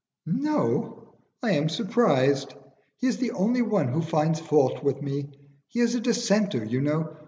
"No! I am surprised. He is the only one who finds fault with me. He is a Dissenter, you know.